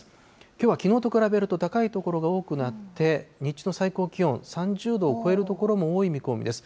きょうはきのうと比べると高い所が多くなって、日中の最高気温３０度を超える所も多い見込みです。